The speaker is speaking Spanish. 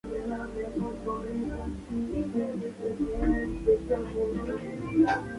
Estas acuñaciones carecen de topónimo, por lo que desconocemos su procedencia exacta.